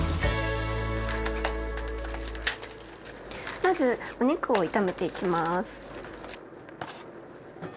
まずお肉を炒めていきます。